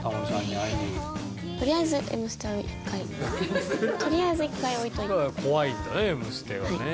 怖いんだね『Ｍステ』はね。